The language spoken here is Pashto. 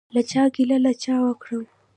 له چا ګیله له چا وکړم؟